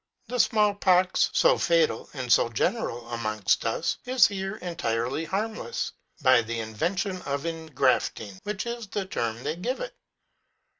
The small pox, so fatal and so general among us, is here entirely harmless by the invention of ingrafting, which is the term they give it.